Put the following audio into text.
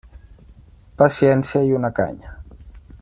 Paciència i una canya.